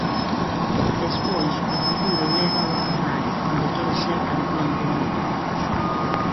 Despois, o futuro lévao a Ferrari onde quere ser campión do mundo.